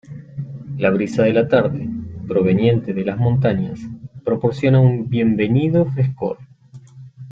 La brisa de la tarde, proveniente de las montañas, proporciona un bienvenido frescor.